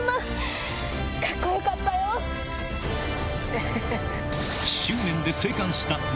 エヘヘ！